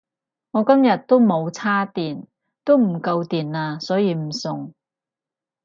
我今日都冇叉電都唔夠電呀所以唔送